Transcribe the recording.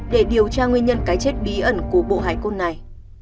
để điều tra nguyên nhân cái chết bí ẩn của bộ hải cốt này